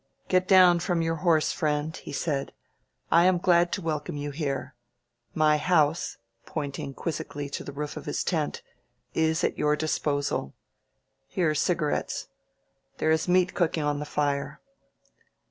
"Get down from your horse, friend,'' he said. "I am glad to welcome you here. My house" (pointing quiz zically to the roof of his tent) "is at your disposal. Here are cigarettes. There is meat cooking on the fire."